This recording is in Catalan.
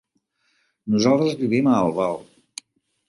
Nosaltres vivim a Albal.